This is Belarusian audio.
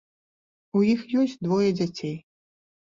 У іх ёсць двое дзяцей.